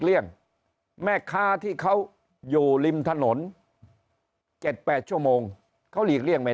เลี่ยงแม่ค้าที่เขาอยู่ริมถนน๗๘ชั่วโมงเขาหลีกเลี่ยงไม่